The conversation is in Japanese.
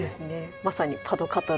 まさにパ・ド・カトル。